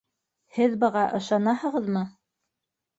Һеҙ быға ышанаһығыҙмы?